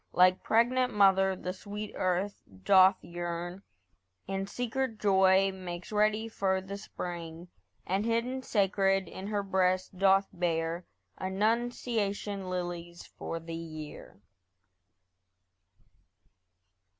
Like pregnant mother the sweet earth doth yearn; In secret joy makes ready for the spring; And hidden, sacred, in her breast doth bear Annunciation lilies for the year.